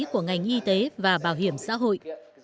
của ngành y tế và bảo hiểm xã hội